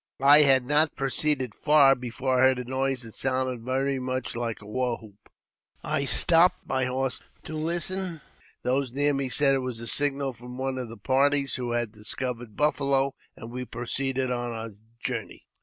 I had not proceeded far before I heard a noise that sounded very rnuch like a war hoop. I stopped my horse to listen. Those near me said it was a signal from one of the parties, who had 166 AVTOBIOGBAPHY OF I discovered buffalo, and we proceeded on our journey.